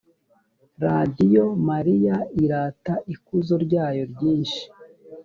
radiyo mariya irata ikuzo ryayo ryinshi